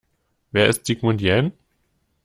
Wer ist Sigmund Jähn?